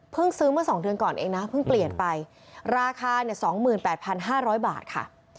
เพิ่งซื้อเมื่อสองเทือนก่อนเองน่ะเพิ่งเปลี่ยนไปราคาเนี้ยสองหมื่นแปดพันห้าร้อยบาทค่ะ